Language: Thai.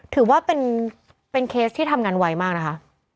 ถือว่าเป็นเคสที่ทำงานไวมากนะคะ